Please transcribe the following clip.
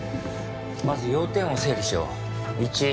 まず要点を整理しよう。